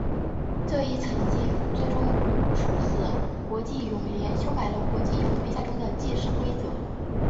这一成绩最终促使国际泳联修改了国际游泳比赛中的计时规则。